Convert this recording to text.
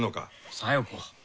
小夜子